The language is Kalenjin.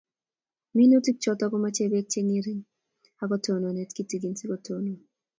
Minutik chotok komache peek che ngering' ak tononet kitigin si kotonon